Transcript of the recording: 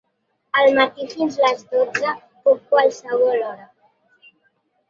Al matí fins les dotze puc qualsevol hora.